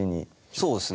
そうですね。